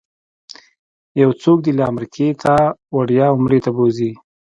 یو څوک دې له امریکې تا وړیا عمرې ته بوځي.